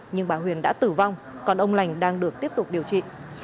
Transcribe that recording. nhưng bà huyền đã tử vong còn ông lành đang được tiếp tục điều trị